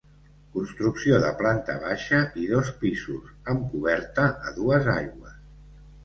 Construcció de planta baixa i dos pisos, amb coberta a dues aigües.